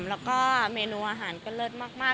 แล้วก็เมนูอาหารก็เลิศมาก